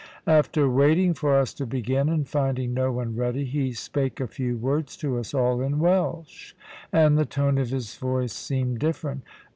After waiting for us to begin, and finding no one ready, he spake a few words to us all in Welsh, and the tone of his voice seemed different.